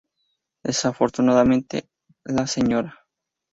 Desafortunadamente la Sra.